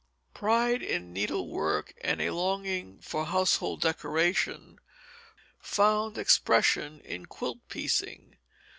Pride in needlework, and a longing for household decoration, found expression in quilt piecing.